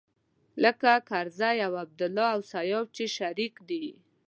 لکه کرزی او عبدالله او سياف چې شريک دی.